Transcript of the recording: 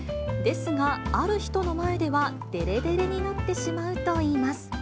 ですが、ある人の前ではでれでれになってしまうといいます。